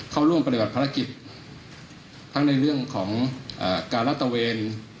เข้าร่วมปฏิบัติภารกิจทั้งในเรื่องของการรัฐตะเวน